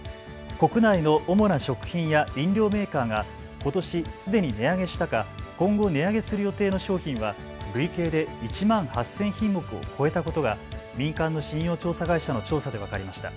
国内の主な食品や飲料メーカーがことしすでに値上げしたか今後値上げする予定の商品は累計で１万８０００品目を超えたことが民間の信用調査会社の調査で分かりました。